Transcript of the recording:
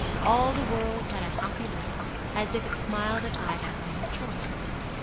All the world had a happy look, as if it smiled at Ida and her choice.